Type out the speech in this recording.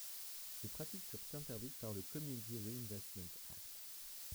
Ces pratiques furent interdites par le Community Reinvestment Act.